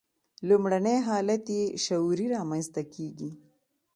لومړنی حالت یې شعوري رامنځته کېږي.